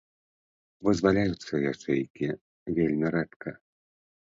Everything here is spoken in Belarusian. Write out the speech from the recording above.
Вызваляюцца ячэйкі вельмі рэдка.